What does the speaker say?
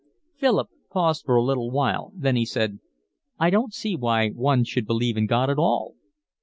Philip paused for a little while, then he said: "I don't see why one should believe in God at all."